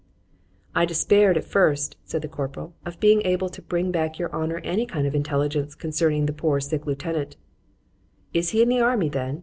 I despaired, at first, said the corporal, of being able to bring back your honour any kind of intelligence concerning the poor sick lieutenant—Is he in the army, then?